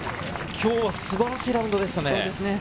今日は素晴らしいラウンドでしたね。